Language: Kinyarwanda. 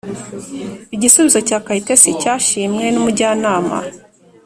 igisubizo cya kayitesi cyashimwe n’umujyanama.